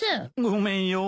ごめんよ。